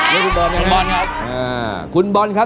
เลือกของคุณบอนครับ